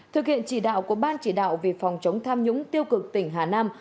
thực hiện chỉ đạo của ban chỉ đạo về phòng chống tham nhũng tiêu cực tỉnh hà nam